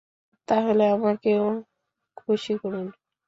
তাহলে আমাকেও খুশি করুন।